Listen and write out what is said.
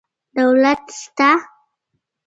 دولت سته.